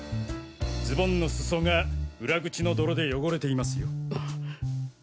ズボンのすそが裏口の泥で汚れていますよ。